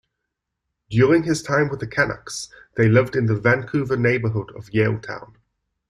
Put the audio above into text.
During his time with the Canucks, they lived in the Vancouver neighbourhood of Yaletown.